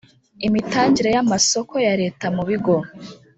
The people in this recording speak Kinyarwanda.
imitangire y amasoko ya Leta mu bigo